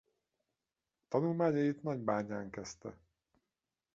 Tanulmányait Nagybányán kezdte.